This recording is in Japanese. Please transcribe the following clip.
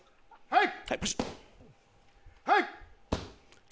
はい。